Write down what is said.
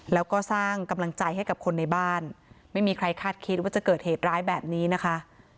แล้วก็สร้างกำลังใจให้กับคนในบ้านไม่มีใครคาดคิดว่าจะเกิดเหตุร้ายแบบนี้นะคะ